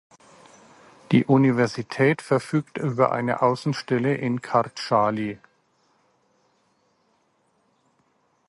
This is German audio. Die Universität verfügt über eine Außenstelle in Kardschali.